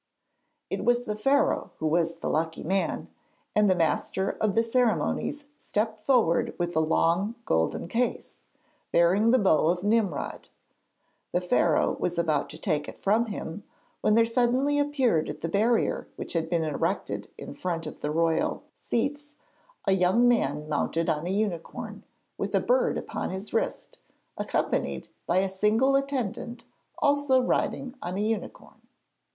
It was the Pharaoh who was the lucky man, and the master of the ceremonies stepped forward with the long golden case, bearing the bow of Nimrod. The Pharaoh was about to take it from him, when there suddenly appeared at the barrier which had been erected in front of the royal seats a young man mounted on a unicorn, with a bird upon his wrist, accompanied by a single attendant also riding on a unicorn.